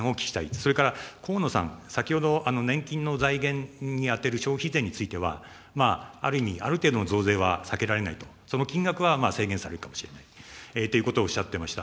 それから河野さん、先ほど、年金の財源に充てる消費税については、ある意味、ある程度の増税は避けられないと、その金額は制限されるかもしれないということをおっしゃっていました。